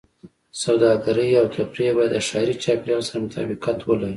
سوداګرۍ او تفریح باید د ښاري چاپېریال سره مطابقت ولري.